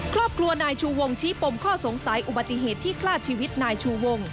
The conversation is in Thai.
ครอบครัวนายชูวงชี้ปมข้อสงสัยอุบัติเหตุที่ฆ่าชีวิตนายชูวง